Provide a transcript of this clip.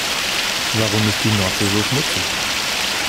Warum ist die Nordsee so schmutzig?